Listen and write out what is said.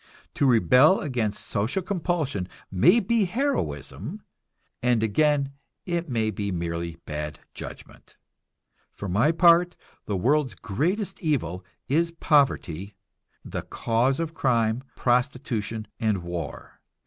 To rebel against social compulsion may be heroism, and again it may be merely bad judgment. For my part, the world's greatest evil is poverty, the cause of crime, prostitution and war.